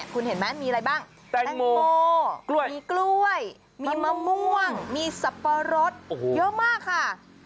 คุณเห็นไหมมีอะไรบ้างแตงโมมีกล้วยมีมะม่วงมีสับปะรดเยอะมากค่ะ